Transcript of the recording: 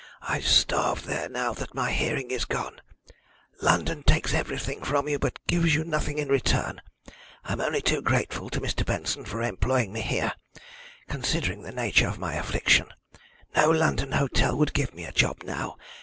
"I'd starve there now that my hearing is gone. London takes everything from you, but gives you nothing in return. I'm only too grateful to Mr. Benson for employing me here, considering the nature of my affliction. No London hotel would give me a job now.